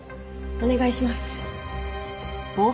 お願いします。